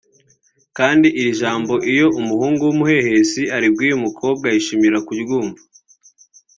kandi iri jambo iyo umuhungu w’umuhehesi aribwiye umukobwa yishimira ku ryumva